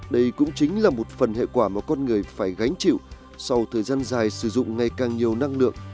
đây cũng chính là một phần hệ quả mà con người phải gánh chịu sau thời gian dài sử dụng ngày càng nhiều năng lượng